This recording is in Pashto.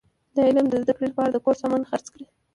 د علم د زده کړي له پاره د کور سامان خرڅ کړئ!